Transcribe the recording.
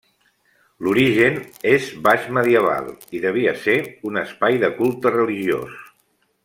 L'origen és baix-medieval i devia ser un espai de culte religiós.